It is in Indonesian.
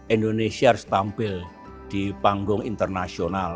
indonesia harus tampil di panggung internasional